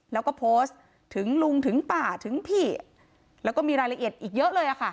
แล้วก็โพสต์ถึงลุงถึงป้าถึงพี่แล้วก็มีรายละเอียดอีกเยอะเลยค่ะ